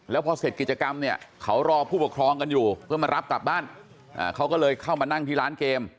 แล้วพอเสร็จกิจกรรมเนี่ยเขารอผู้ปกครองกันอยู่เพื่อมารับกลับบ้านเขาก็เลยเข้ามานั่งที่ร้านเกม